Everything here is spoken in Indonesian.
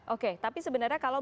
oke tapi sebenarnya kalau